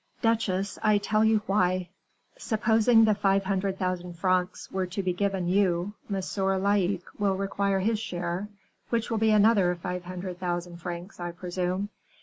"Duchesse, I tell you why; supposing the five hundred thousand francs were to be given you, M. Laicques will require his share, which will be another five hundred thousand francs, I presume?